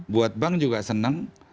buat bank juga senang